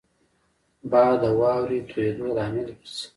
باد د واورې تویېدو لامل ګرځي